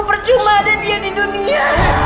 percuma ada dia di dunia